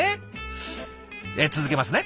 え続けますね。